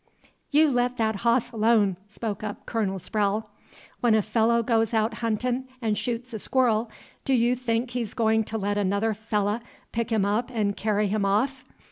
"You let that hoss alone!" spoke up Colonel Sprowle. "When a fellah goes out huntin' and shoots a squirrel, do you think he's go'n' to let another fellah pick him up and kerry him off?